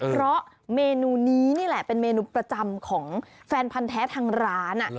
เพราะเมนูนี้นี่แหละเป็นเมนูประจำของแฟนพันธ์แท้ทางร้าน